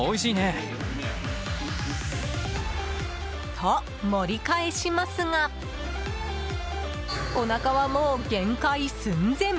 と、盛り返しますがおなかはもう限界寸前。